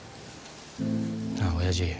なあおやじ。